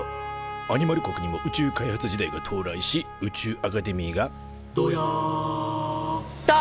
アニマル国にも宇宙開発時代が到来し宇宙アカデミーが「ドヤァ」と誕生。